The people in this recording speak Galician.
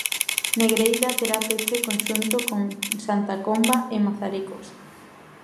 Negreira terá peche conxunto con Santa Comba e Mazaricos.